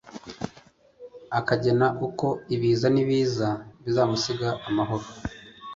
Akagena uko Ibiza n'ibiza Bizamusiga amahoro